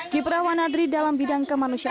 kiprah wanadri dalam bidang kemanusiaan